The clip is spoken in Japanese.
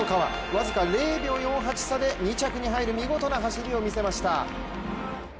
僅か０秒４８差で２着に入る、見事な走りを見せました。